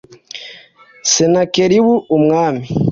Senakeribu umwami